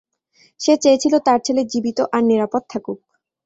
সে চেয়েছিল তার ছেলে জীবিত আর নিরাপদ থাকুক।